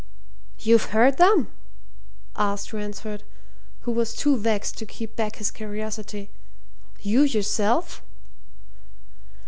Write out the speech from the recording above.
"You've heard them?" asked Ransford, who was too vexed to keep back his curiosity. "You yourself?"